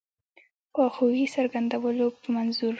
خواخوږی څرګندولو په منظور.